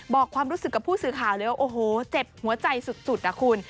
บอกความรู้สึกกับผู้สื่อข่าวเลยว่าโอ้โหเจ็บหัวใจสุดนะคุณ